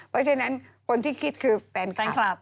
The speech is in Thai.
เพราะฉะนั้นคนที่คิดคือแฟนคลับ